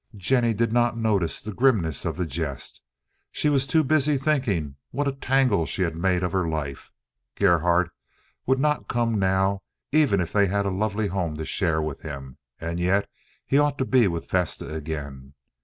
Jennie did not notice the grimness of the jest. She was too busy thinking what a tangle she had made of her life. Gerhardt would not come now, even if they had a lovely home to share with him. And yet he ought to be with Vesta again.